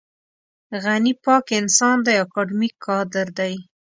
غني پاک انسان دی اکاډمیک کادر دی.